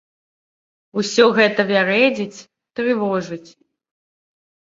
Усё гэта вярэдзіць, трывожыць.